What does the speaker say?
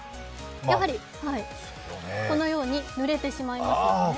やはり、このようにぬれてしまいますよね。